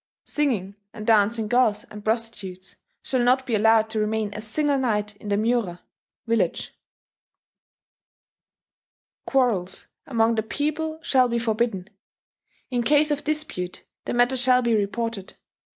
Singing and dancing girls and prostitutes shall not be allowed to remain a single night in the mura [village]." "Quarrels among the people shall be forbidden. In case of dispute the matter shall be reported.